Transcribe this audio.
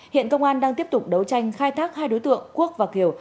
hiện công an đang tiếp tục đấu tranh khai thác hai đối tượng quốc và kiều